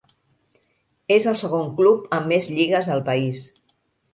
És el segon club amb més lligues al país.